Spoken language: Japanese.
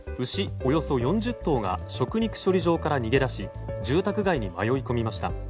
およそ４０頭が食肉処理場から逃げ出し住宅街に迷い込みました。